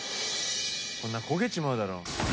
こんな焦げちまうだろ。